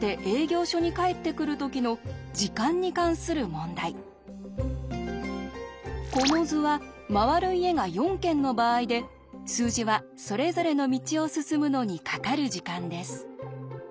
簡単に言うとこの図は回る家が４軒の場合で数字はそれぞれの道を進むのにかかる時間です。